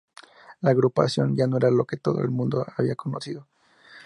La agrupación ya no era lo que todo el mundo había conocido.